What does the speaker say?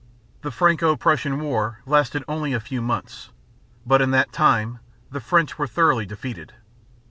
The Franco Prussian War lasted only a few months; but in that time the French were thoroughly defeated.